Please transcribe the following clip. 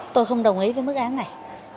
tôi không đồng ý với mức án này